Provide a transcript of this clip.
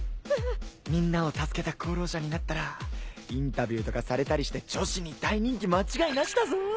みんなを助けた功労者になったらインタビューとかされたりして女子に大人気間違いなしだぞ！